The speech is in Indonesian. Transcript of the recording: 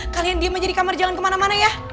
kalian diam aja di kamar jangan kemana mana ya